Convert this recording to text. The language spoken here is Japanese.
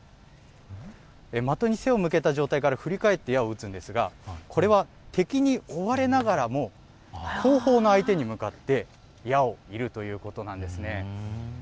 的に背を向けた状態から振り返って矢を打つんですがこれは、敵に追われながらも後方の相手に向かって矢を射るということなんですね。